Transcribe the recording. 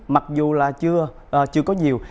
mặc dù là chưa có nhiều